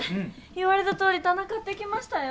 言われたとおりたな買ってきましたよ。